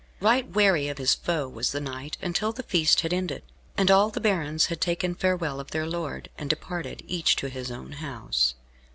Right wary of his foe was the knight until the feast had ended, and all the barons had taken farewell of their lord, and departed, each to his own house.